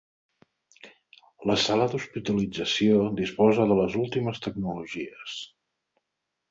La sala d'hospitalització disposa de les últimes tecnologies.